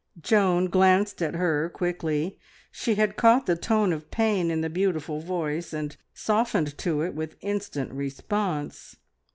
Joan glanced at her quickly. She had caught the tone of pain in the beautiful voice, and softened to it with instant response.